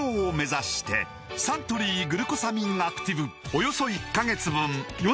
およそ１カ月分